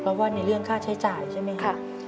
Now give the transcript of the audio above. เพราะว่าในเรื่องค่าใช้จ่ายใช่ไหมครับ